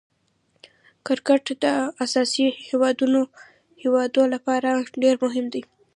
کرکټ د آسيايي هېوادو له پاره ډېر مهم دئ.